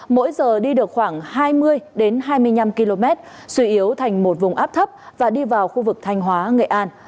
mỗi giờ đi được khoảng hai mươi hai mươi năm km suy yếu thành một vùng áp thấp và đi vào khu vực thanh hóa nghệ an